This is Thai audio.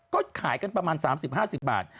ก็ขายกันประมาณ๓๐๕๐บาท